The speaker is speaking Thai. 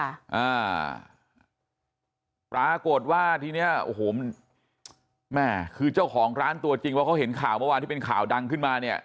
อ่าปรากฏว่าทีเนี้ยโอ้โหแม่คือเจ้าของร้านตัวจริงว่าเขาเห็นข่าวเมื่อวานที่เป็นข่าวดังขึ้นมาเนี่ย